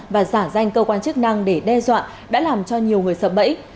và giả danh cơ quan chức năng để đe dọa đã làm cho nhiều người sợ bẫy